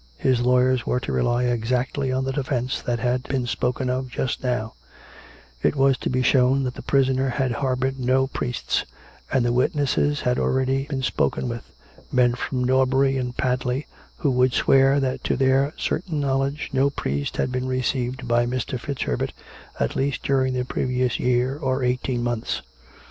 His lawyers were to rely exactly on the defence that had been spoken of just now; it was to be shown that the prisoner had har boured no priests; and the witnesses had already been spoken with — men from Norbury and Padley, who would swear that to their certain knowledge no priest had been received by Mr. FitzHerbert at least during the previous year or eighteen months.